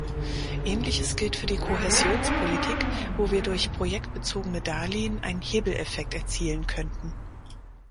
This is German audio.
Ähnliches gilt für die Kohäsionspolitik, wo wir durch projektbezogene Darlehen einen Hebeleffekt erzielen könnten.